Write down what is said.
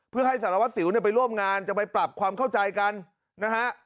เพื่อให้สารวัสสิวเนี่ยไปร่วมงานจะไปปรับความเข้าใจกันนะฮะ